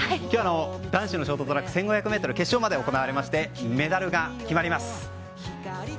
今日は男子のショートトラック１５００ｍ決勝まで行われましてメダルが決まります。